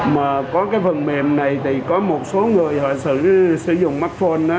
mà có cái phần mềm này thì có một số người họ sử dụng mắt phone á